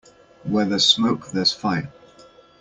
Where there's smoke there's fire.